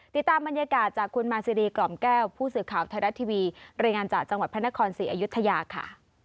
ติดตามบรรยากาศจากคุณมาซีรีกล่อมแก้วผู้สื่อข่าวไทยรัฐทีวีรายงานจากจังหวัดพระนครศรีอยุธยาค่ะ